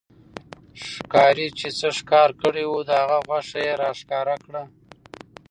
ښکارې چې څه ښکار کړي وو، د هغه غوښه يې را ښکاره کړه